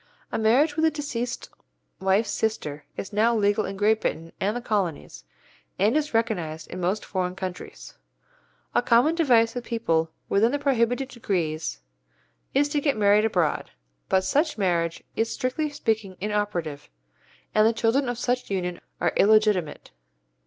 A marriage with a deceased wife's sister is now legal in Great Britain and the Colonies, and is recognized in most foreign countries. A common device with people within the prohibited degrees is to get married abroad, but such marriage is strictly speaking inoperative, and the children of such union are illegitimate.